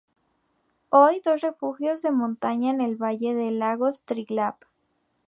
Hay dos refugios de montaña en el valle de los lagos Triglav.